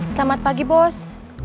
selamat pagi bos